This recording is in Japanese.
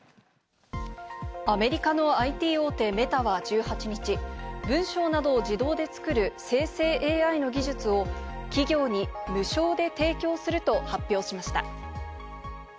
アメリカのＩＴ大手Ｍｅｔａは１８日、文章などを自動で作る生成ＡＩの技術を企業に無償で提供すると発表しました。